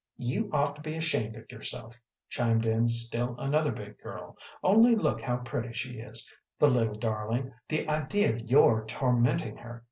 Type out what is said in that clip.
"You ought to be ashamed of yourself," chimed in still another big girl. "Only look how pretty she is, the little darling the idea of your tormenting her.